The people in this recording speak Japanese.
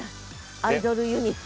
アイドルユニット。